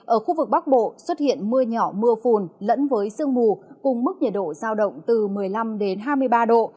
ở khu vực bắc bộ xuất hiện mưa nhỏ mưa phùn lẫn với sương mù cùng mức nhiệt độ giao động từ một mươi năm đến hai mươi ba độ